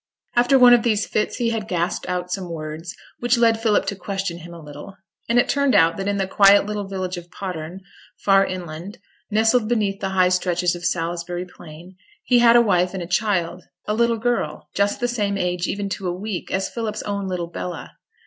After one of these fits he had gasped out some words, which led Philip to question him a little; and it turned out that in the quiet little village of Potterne, far inland, nestled beneath the high stretches of Salisbury Plain, he had a wife and a child, a little girl, just the same age even to a week as Philip's own little Bella.